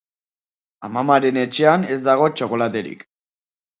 Amamaren etxean ez dago txokolaterik.